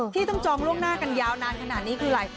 ที่ต้องจองล่วงหน้ากันยาวนานขนาดนี้คืออะไร